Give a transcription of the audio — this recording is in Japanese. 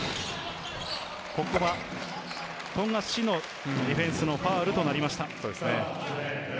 ここは富樫のディフェンスのファウルとなりました。